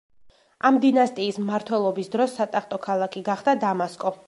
ამ დინასტიის მმართველობის დროს სატახტო ქალაქი გახდა დამასკო.